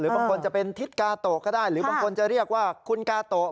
บางคนจะเป็นทิศกาโตะก็ได้หรือบางคนจะเรียกว่าคุณกาโตะ